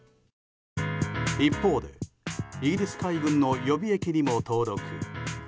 一方で、イギリス海軍の予備役にも登録。